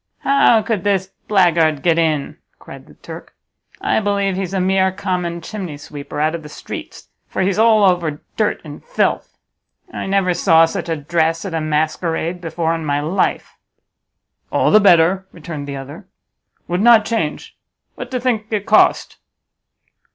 "How could this blackguard get in?" cried the Turk, "I believe he's a mere common chimneysweeper out of the streets, for he's all over dirt and filth. I never saw such a dress at a masquerade before in my life." "All the better," returned the other; "would not change. What do think it cost?"